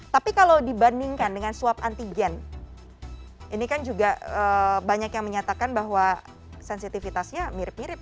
tapi kalau dibandingkan dengan swab antigen ini kan juga banyak yang menyatakan bahwa sensitivitasnya mirip mirip